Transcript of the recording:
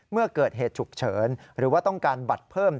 เมื่อเกิดเหตุฉุกเฉินหรือว่าต้องการบัตรเพิ่ม